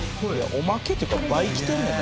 おまけっていうか倍きてるもんな